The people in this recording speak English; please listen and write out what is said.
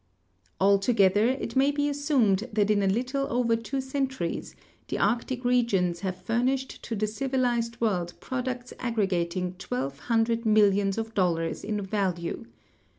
Altogether, it may be assumed that in a little over two centu ries the Arctic regions have furnished to the civilized world pro ducts aggregating twelve hundred millions^of dollars in value.